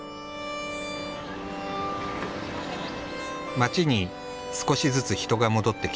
街に少しずつ人が戻ってきた。